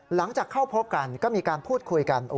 หลังจากเข้าพบกันก็มีการพูดคุยกัน